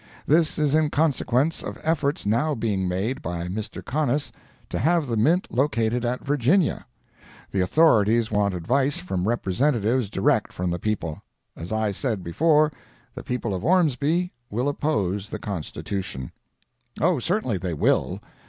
This is in consequence of efforts now being made by Mr. Conness to have the mint located at Virginia. The authorities want advice from representatives direct from the people. As I said before, the people of Ormsby will oppose the Constitution. O, certainly they will!